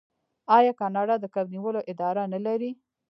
آیا کاناډا د کب نیولو اداره نلري؟